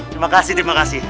terima kasih terima kasih